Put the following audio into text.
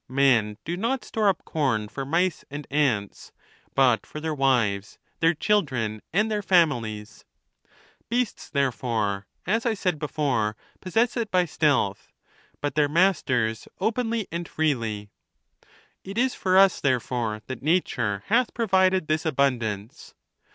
Men do not store up corn for mice and ants, but for their wives, their children, and their families. Beasts, there fore, as I said before, possess it by stealth, but their mas ters openly and freely. It is for us, therefore, that nature hath provided this abundance.